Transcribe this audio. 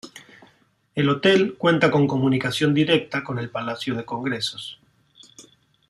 El hotel cuenta con comunicación directa con el palacio de congresos.